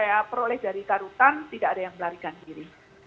saya peroleh dari karutan tidak ada yang melarikan diri